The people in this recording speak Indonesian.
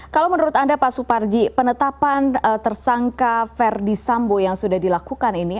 kalau menurut anda pak suparji penetapan tersangka verdi sambo yang sudah dilakukan ini